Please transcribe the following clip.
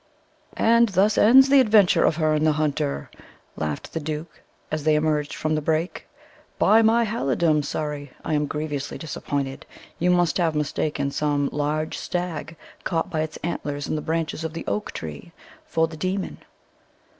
"And thus ends the adventure of Herne the Hunter!" laughed the duke, as they emerged from the brake. "By my halidom, Surrey, I am grievously disappointed. You must have mistaken some large stag, caught by its antlers in the branches of the oak tree, for the demon."